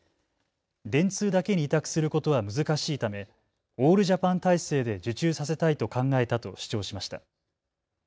電通だけに委託することは難しいためオールジャパン体制で受注させたいと考えたと主張しました。